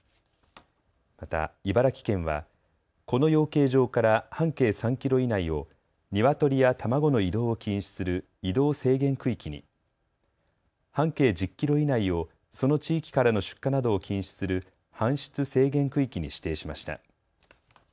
また茨城県はこの養鶏場から半径３キロ以内をニワトリや卵の移動を禁止する移動制限区域に、半径１０キロ以内をその地域からの出荷などを禁止する搬出制限区域に指定しました。